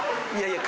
いや。